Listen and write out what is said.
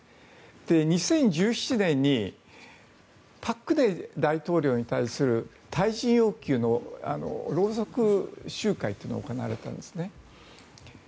２０１７年に朴槿惠大統領に対する退陣要求のろうそく集会というのが行われたんですね。